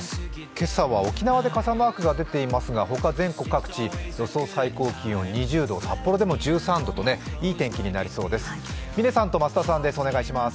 今朝は沖縄で傘マークが出ていますがほか全国各地、予想最高気温２０度、札幌でも１３度といい天気になりそうです。